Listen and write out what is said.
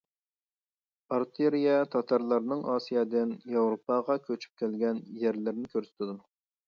ئارتېرىيە تاتارلارنىڭ ئاسىيادىن ياۋروپاغا كۆچۈپ كەلگەن يەرلىرىنى كۆرسىتىدۇ.